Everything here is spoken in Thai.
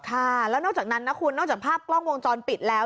ค่ะแล้วนอกจากนั้นนะคุณนอกจากภาพกล้องวงจรปิดแล้ว